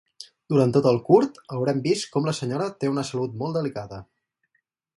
Durant tot el curt, haurem vist com la senyora té una salut molt delicada.